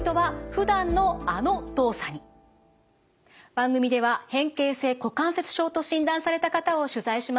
番組では変形性股関節症と診断された方を取材しました。